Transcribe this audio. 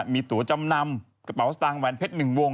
มีตัวจำนำกระเป๋าสตางค์แหวนเพชร๑วง